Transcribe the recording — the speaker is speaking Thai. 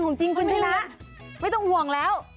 ของจริง